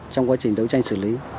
trong quá trình đấu tranh xử lý